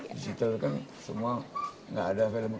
digital kan semua gak ada film